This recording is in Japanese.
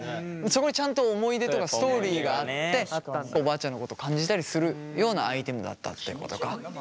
そこにちゃんと思い出とかストーリーがあっておばあちゃんのこと感じたりするようなアイテムだったってことか。